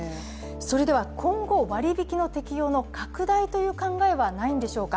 それでは、今後割り引きの適用の拡大という考えはないんでしょうか。